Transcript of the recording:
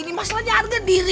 ini masalahnya harga diri